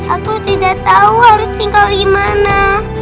aku tidak tahu harus tinggal gimana